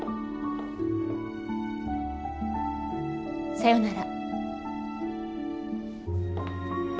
さようなら。